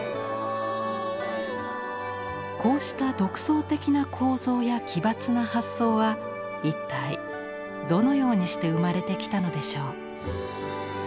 こうした独創的な構造や奇抜な発想は一体どのようにして生まれてきたのでしょう。